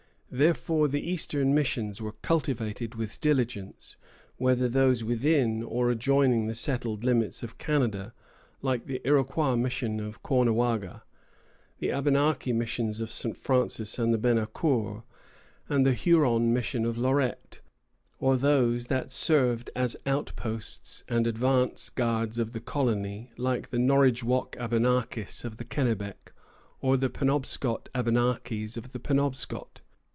Therefore the Eastern missions were cultivated with diligence, whether those within or adjoining the settled limits of Canada, like the Iroquois mission of Caughnawaga, the Abenaki missions of St. Francis and Becancour, and the Huron mission of Lorette, or those that served as outposts and advance guards of the colony, like the Norridgewock Abenakis of the Kennebec, or the Penobscot Abenakis of the Penobscot.